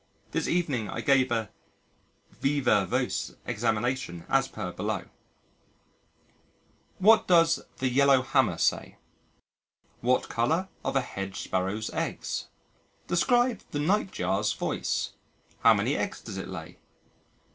This evening I gave a viva voce examination as per below: "What does the Yellow Hammer say?" "What colour are the Hedge Sparrow's eggs?" "Describe the Nightjar's voice." "How many eggs does it lay?"